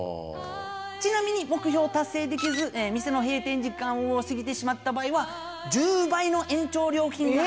ちなみに目標を達成できず店の閉店時間を過ぎてしまった場合は１０倍の延長料金が。